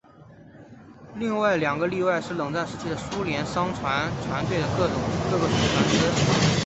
另外两个例外是冷战时期的苏联商船船队的各种船只。